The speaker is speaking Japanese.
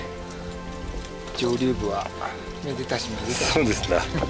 そうですな。